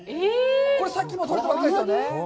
これ、さっきとれたばかりですよね。